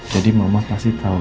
jadi mama pasti tahu